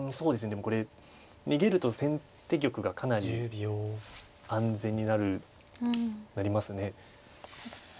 でもこれ逃げると先手玉がかなり安全になるなりますね。